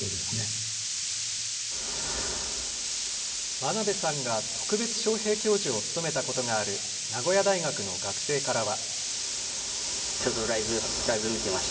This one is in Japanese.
真鍋さんが特別招へい教授を務めたことがある名古屋大学の学生からは。